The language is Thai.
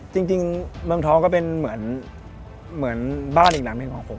จริงเมืองท้องก็เป็นเหมือนบ้านอีกหลังหนึ่งของผม